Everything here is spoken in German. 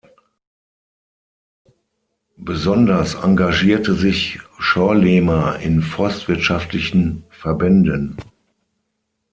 Besonders engagierte sich Schorlemer in forstwirtschaftlichen Verbänden.